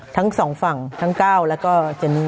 ทั้งสองฝั่งทั้งก้าวแล้วก็เจนนี่